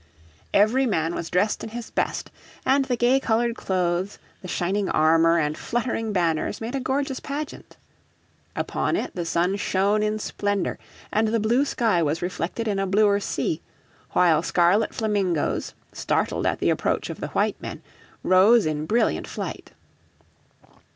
Every man was dressed in his best, and the gay coloured clothes, the shining armour, and fluttering banners made a gorgeous pageant. Upon it the sun shone in splendour and the blue sky was reflected in a bluer sea: while scarlet flamingoes, startled at the approach of the white men, rose in brilliant flight.